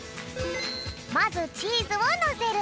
まずチーズをのせる。